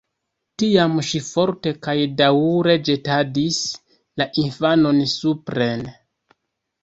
Tiam ŝi forte kaj daŭre ĵetadis la infanon supren.